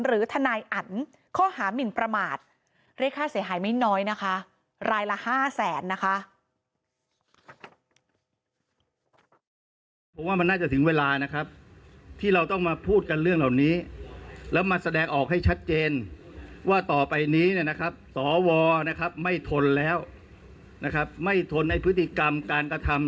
หรือทนายอันข้อหามินประมาทเลขค่าเสียหายไม่น้อยนะคะ